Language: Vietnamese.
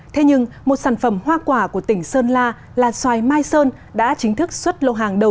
thế nhưng một sản phẩm hoa quả của tỉnh sơn la là xoài mai sơn đã chính thức xuất lô hàng đầu